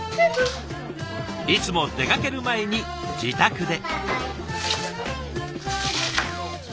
いつも出かける前に自宅で。